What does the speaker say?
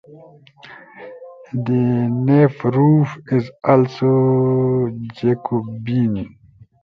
The nave roof is also Jacobean.